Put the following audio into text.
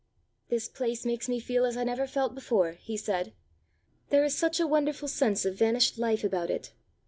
"This place makes me feel as I never felt before," he said. "There is such a wonderful sense of vanished life about it.